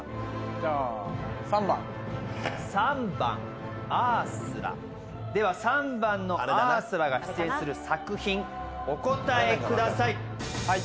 じゃあ３番３番アースラでは３番のアースラが出演する作品お答えください